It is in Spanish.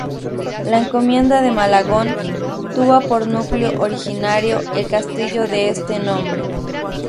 La Encomienda de Malagón tuvo por núcleo originario el castillo de este nombre.